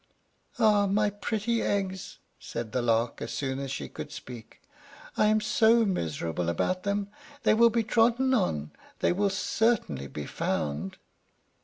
"Ah, my pretty eggs!" said the Lark, as soon as she could speak, "I am so miserable about them they will be trodden on, they will certainly be found."